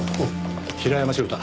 平山翔太